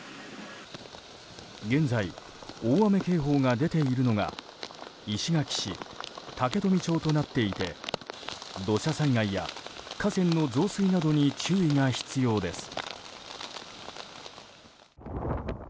現在、大雨警報が出ているのが石垣市、竹富町となっていて土砂災害や河川の増水などに注意が必要です。